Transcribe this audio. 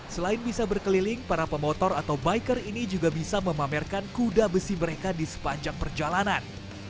selain bisa berkeliling para pemotor atau biker ini juga bisa memamerkan kuda besi mereka di sepanjang perjalanan